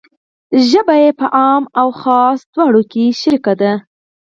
ژبه یې په عام و خاص دواړو کې شریکه ده.